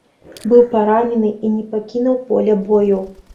Быў паранены і не пакінуў поля бою.